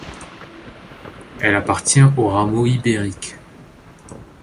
Elle appartient au rameau ibérique.